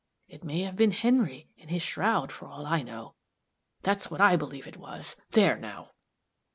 It may have been Henry in his shroud, for all I know that's what I believe it was there now!"